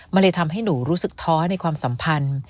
มันเลยทำให้หนูรู้สึกท้อในความสัมพันธ์